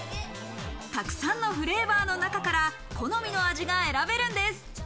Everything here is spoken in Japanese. たくさんのフレーバーの中から好みの味が選べるんです。